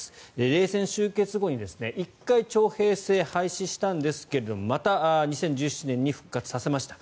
冷戦終結後に１回、徴兵制を廃止したんですがまた２０１７年に復活させました。